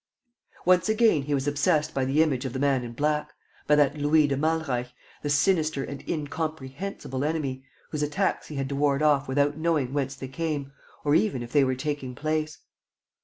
Once again, he was obsessed by the image of the man in black, by that Louis de Malreich, the sinister and incomprehensible enemy, whose attacks he had to ward off without knowing whence they came or even if they were taking place.